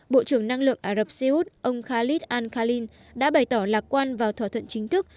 bộ trưởng năng lượng ả rập xê út ông khalid al khalin đã bày tỏ lạc quan vào thỏa thuận chính thức